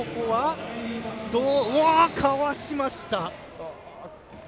かわしました。